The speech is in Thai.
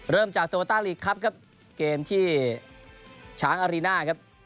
เริ่มจากโตต้าลีกครับครับเกมที่ช้างอารีน่าครับ